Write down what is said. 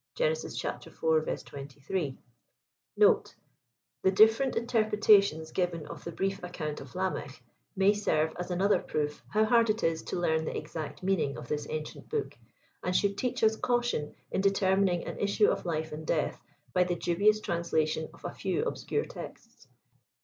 (Gen. iv. 23.)* * The diffeient inteipretations given of the brief account of Lamech^ may serve as another proof how hard it is to learn the exact meaning of this ancient book, and should teach us caution in determining an issue of life and death by the dubious translation of a few obscure texts.